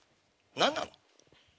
何なの？